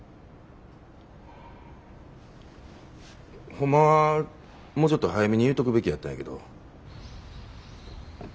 ホンマはもうちょっと早めに言うとくべきやったんやけど。